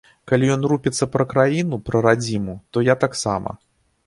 Калі ён рупіцца пра краіну, пра радзіму, то я таксама.